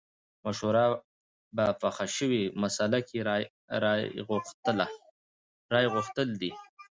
مشوره په پېښه شوې مسئله کې رايه غوښتل دي.